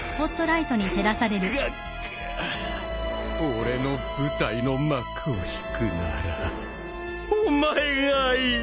俺の舞台の幕を引くならお前がいい。